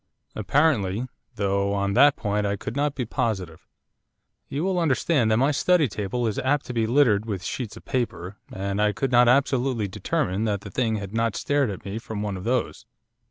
'Apparently, though on that point I could not be positive. You will understand that my study table is apt to be littered with sheets of paper, and I could not absolutely determine that the thing had not stared at me from one of those.